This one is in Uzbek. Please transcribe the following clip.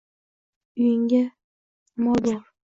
Uyingda amol bo-or!